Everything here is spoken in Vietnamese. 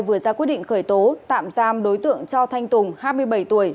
vừa ra quyết định khởi tố tạm giam đối tượng cho thanh tùng hai mươi bảy tuổi